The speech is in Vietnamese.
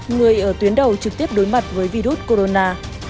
người ở tuyến đầu trực tiếp đối mặt với virus corona